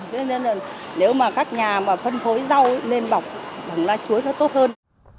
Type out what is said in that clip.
thế nên là nếu mà các nhà mà phân phối rau lên bọc bằng lá chuối nó tốt hơn